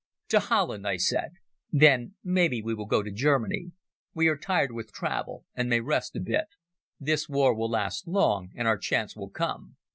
"To Holland," I said. "Then maybe we will go to Germany. We are tired with travel and may rest a bit. This war will last long and our chance will come."